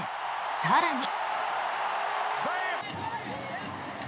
更に。